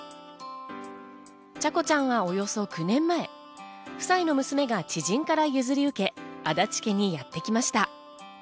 チャコちゃんはおよそ９年前、夫妻の娘が知人から譲り受け、足立家にやってきました。